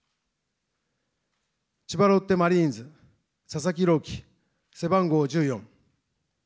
千葉ロッテマリーンズ、佐々木朗希、背番号１４。